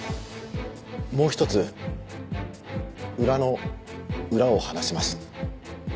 もう一つ裏の裏を話します。